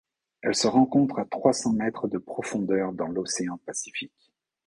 Elle se rencontre à trois-cents mètres de profondeur dans l'océan Pacifique.